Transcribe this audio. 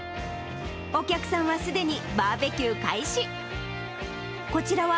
お客さんはすでにバーベキュー開始。